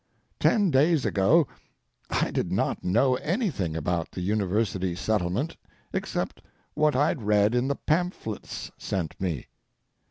Ten days ago I did not know anything about the University Settlement except what I'd read in the pamphlets sent me.